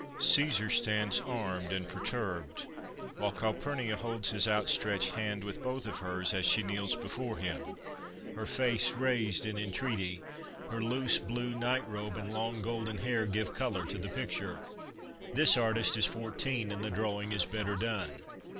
Caesar stands armed and per turbed, while Calpurnia holds his outstretched hand with both of hers as she kneels before him, her face raised in entreaty ; her loose blue night robe and long golden hair give colour to the picture. This artist is fourteen, and the drawing is better done.